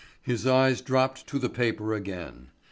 His eyes dropped to the paper again.